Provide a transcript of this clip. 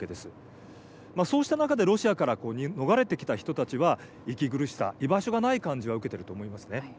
そうした中でロシアから逃れてきた人たちは息苦しさ居場所がない感じは受けてると思いますね。